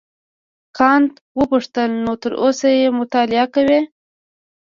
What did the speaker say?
کانت وپوښتل نو تر اوسه یې مطالعه کوې.